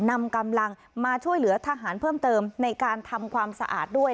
นำกำลังมาช่วยเหลือทหารเพิ่มเติมในการทำความสะอาดด้วย